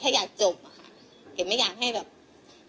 เก๋จะไม่พูดเลยเพราะว่ามันไม่ใช่เรื่องของเก๋